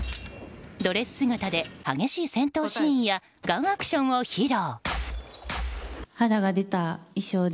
ドレス姿で激しい戦闘シーンやガンアクションを披露。